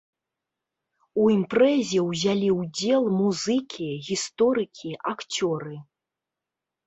У імпрэзе ўзялі ўдзел музыкі, гісторыкі, акцёры.